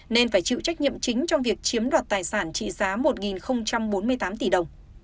nên phải chịu trách nhiệm chính trong việc chiếm đoạt tài sản trị giá một bốn mươi tám tỷ đồng